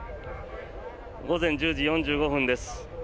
午前１０時４５分です。